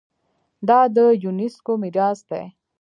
دا د یونیسکو میراث دی.